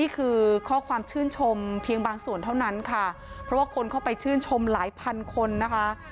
คือข้อความชื่นชมเพียงบางส่วนเท่านั้นค่ะเพราะว่าคนเข้าไปชื่นชมหลายพันคนนะคะ